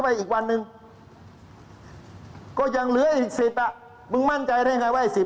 อีกวันหนึ่งก็ยังเหลืออีก๑๐อ่ะมึงมั่นใจได้ไงว่าไอ้๑๐